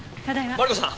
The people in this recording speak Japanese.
マリコさん！